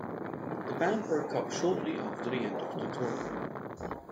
The band broke up shortly after the end of the tour.